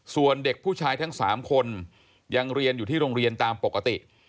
ส่วนเด็กผู้ชายทั้ง๓คนยังเรียนอยู่ที่โรงเรียนตามปกติ